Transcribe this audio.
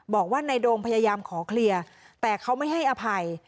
บอกว่านายโดมพยายามขอเคลียร์แต่เขาไม่ให้อภัย